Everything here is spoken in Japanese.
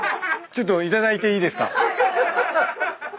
ちょっと頂いていいですか？